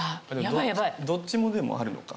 どっちもでもあるのか。